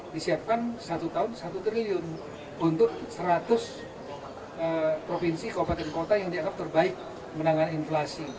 disiapkan satu tahun satu triliun untuk seratus provinsi kabupaten kota yang dianggap terbaik menangani inflasi